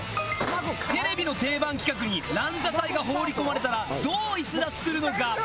テレビの定番企画にランジャタイが放り込まれたらどう逸脱するのか？